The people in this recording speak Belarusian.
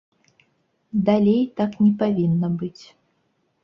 Далей так не павінна быць.